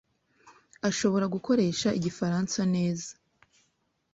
ashobora gukoresha igifaransa neza.